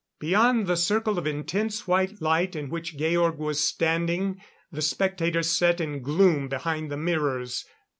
Beyond the circle of intense white light in which Georg was standing, the spectators sat in gloom behind the mirrors.